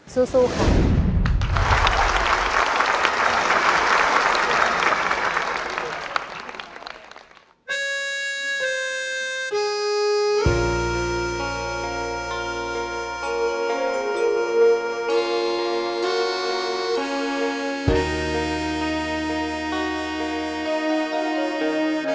สู้ค่ะ